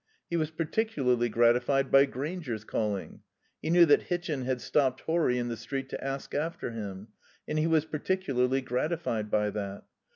He was particularly gratified by Grainger's calling. He knew that Hitchin had stopped Horry in the street to ask after him, and he was particularly gratified by that.